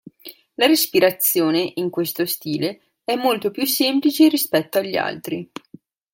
La respirazione in questo stile è molto più semplice rispetto agli altri.